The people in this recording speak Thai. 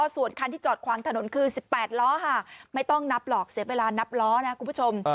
ส่วนคันที่จอดขวางถนนคือ๑๘ล้อค่ะไม่ต้องนับหรอกเสียเวลานับล้อนะคุณผู้ชม